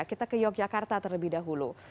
kita ke yogyakarta terlebih dahulu